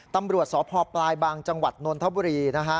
ตำรวจสพปลายบางจังหวัดนนทบุรีนะฮะ